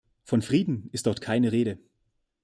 Von Frieden ist dort keine Rede.